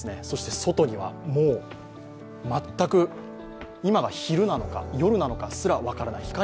そして外には全く、今が昼なのか、夜なのかすら分からない。